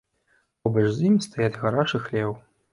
Побач з ім стаяць гараж і хлеў.